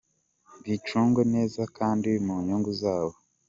bicungwe neza kandi mu nyungu zabo.